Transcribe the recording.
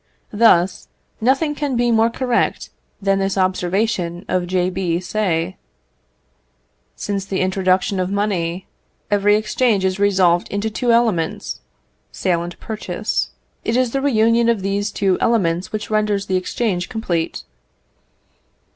Thus, nothing can be more correct than this observation of J. B. Say: "Since the introduction of money, every exchange is resolved into two elements, sale and purchase. It is the reunion of these two elements which renders the exchange complete."